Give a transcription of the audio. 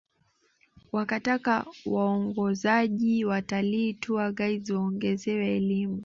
Wakataka waongozaji wa watalii tour guides waongezewe elimu